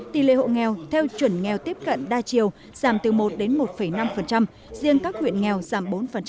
tỷ lệ hộ nghèo theo chuẩn nghèo tiếp cận đa chiều giảm từ một đến một năm riêng các huyện nghèo giảm bốn